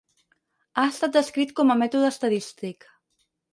Ha estat descrit com a "mètode estadístic".